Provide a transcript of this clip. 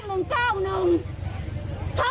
ต้องโทรแก้แจ้ง๑๙๑